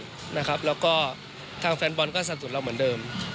แล้วก็ทางแฟนบอลก็สนับสนุนเราเหมือนเดิม